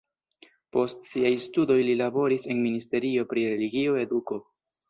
Post siaj studoj li laboris en ministerio pri religio-eduko.